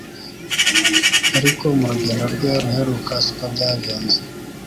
Ariko mu rugendo rwe ruheruka siko byagenze.